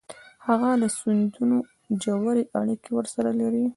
هغه له سندونو ژورې اړیکې ورسره لري